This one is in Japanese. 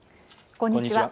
こんにちは。